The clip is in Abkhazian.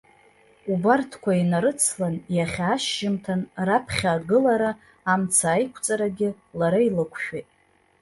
Убарҭқәа инарыцлан, иахьа ашьжьымҭан раԥхьа агылара, амца аиқәҵарагьы лара илықәшәеит.